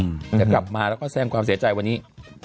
เดี๋ยวกลับมาแล้วก็แสดงความเสียใจวันนี้